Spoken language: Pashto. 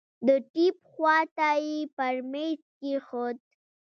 د ټېپ خوا ته يې پر ميز کښېښود.